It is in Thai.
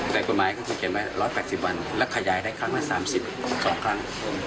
แต่กฎหมายเขาจะเขียนไว้๑๘๐วันและขยายได้ครั้งละ๓๒ครั้ง